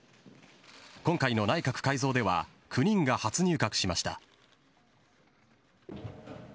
今回の内閣改造では９人が初入閣しました。